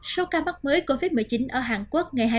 số ca mắc mới covid một mươi chín ở hàn quốc